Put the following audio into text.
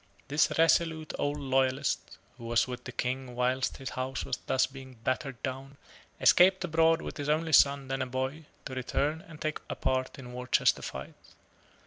This resolute old loyalist, who was with the King whilst his house was thus being battered down, escaped abroad with his only son, then a boy, to return and take a part in Worcester fight.